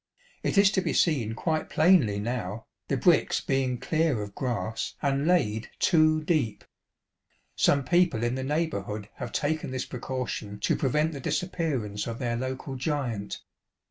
It is to be seen quite plainly now, the bricks being clear of grass and laid CH. VI. Alf7'iston and Wilmington. 85 two deep. Some people in the neighbourliood have taken this precaution to prevent the disappearance of their local giant.